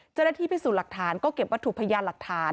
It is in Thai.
จะได้ที่ไปสู่หลักฐานก็เก็บวัตถุพยานหลักฐาน